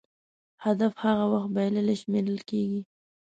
هدف هغه وخت بایللی شمېرل کېږي.